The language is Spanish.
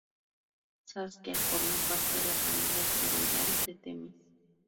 Saskia forma parte de la familia asteroidal de Temis.